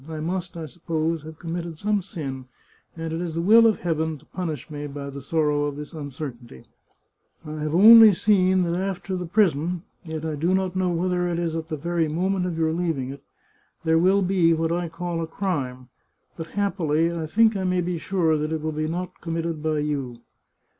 I must, I suppose, have committed some sin, and it is the will of Heaven to punish me by the sorrow of this uncertainty. I have only seen that after the prison — yet I do not know whether it is at the very moment of your leaving it — there will be what I call a crime ; but, happily, I think I may be sure that it will not be committed by you.